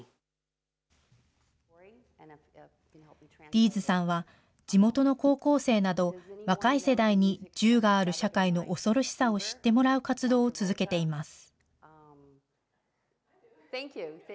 ディーズさんは地元の高校生など、若い世代に銃がある社会の恐ろしさを知ってもらう活動を続けています。